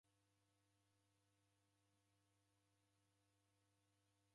Kitambaa cha chongo chashonwa